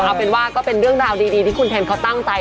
เอาเป็นว่าก็เป็นเรื่องราวดีที่คุณเทมเขาตั้งใจ